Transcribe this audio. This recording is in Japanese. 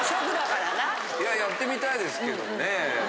やってみたいですけどもね。